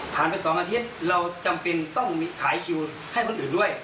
ไป๒อาทิตย์เราจำเป็นต้องขายคิวให้คนอื่นด้วย